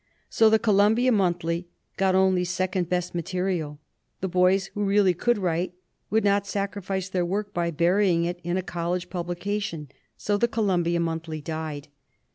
So the Columbia Monthly got only second best material. The boys who really could write would not sacrifice their work by burying it in a college publication, so the Columbia Monthly died.